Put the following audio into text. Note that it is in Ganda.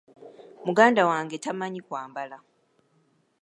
Muganda wange tamanyi kwambala.